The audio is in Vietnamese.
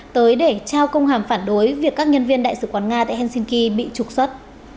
tới để trao công hàm phản đối việc các nhân viên đại sứ quán nga tại helsinki bị trục xuất